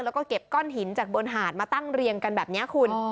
แล้วก็เก็บก้อนหินจากบนหาดมาตั้งเรียงกันแบบนี้คุณ